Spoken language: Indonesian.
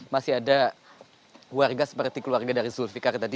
masih ada warga seperti keluarga dari zulfiqar tadi